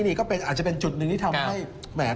นี่ก็อาจจะเป็นจุดหนึ่งที่ทำให้แหม